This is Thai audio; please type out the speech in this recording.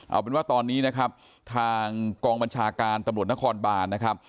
เอาเป็นว่าตอนนี้ทางกองบัญชาการตำรวจนครบาล